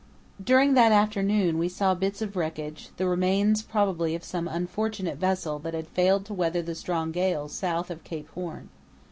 During that afternoon we saw bits of wreckage, the remains probably of some unfortunate vessel that had failed to weather the strong gales south of Cape Horn.